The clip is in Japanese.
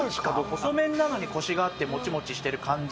細麺なのにコシがあってモチモチしてる感じ。